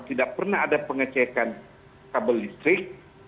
tidak pernah ada pengecekan kabel listrik